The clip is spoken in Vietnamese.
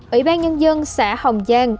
ủy ban nhân dân xã hồng giang